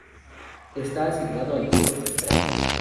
Está asignado al tipo espectral.